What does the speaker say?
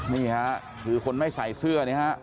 นี่ค่ะคือคนไม่ใส่เสื้อเนี่ยฮะ